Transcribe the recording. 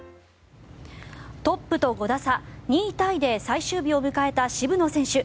トップと５打差、２位タイで最終日を迎えた渋野選手。